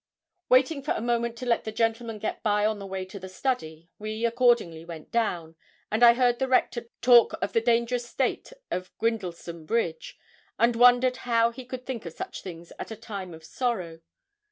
Waiting for a moment to let the gentlemen get by on the way to the study, we, accordingly, went down, and I heard the Rector talk of the dangerous state of Grindleston bridge, and wondered how he could think of such things at a time of sorrow.